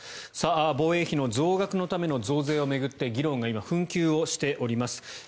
防衛費の増額のための増税を巡って議論が今、紛糾しております。